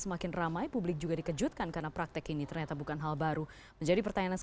anggota ya anggota